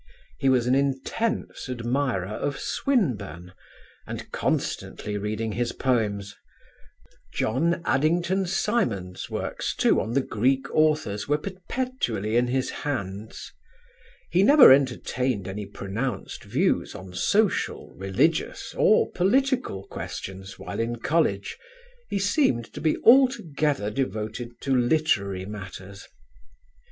"He was an intense admirer of Swinburne and constantly reading his poems; John Addington Symond's works too, on the Greek authors, were perpetually in his hands. He never entertained any pronounced views on social, religious or political questions while in College; he seemed to be altogether devoted to literary matters.